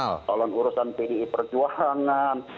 urusan pdi perjuangan